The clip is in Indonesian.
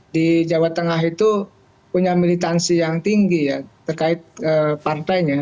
di jawa tengah itu punya militansi yang tinggi ya terkait partainya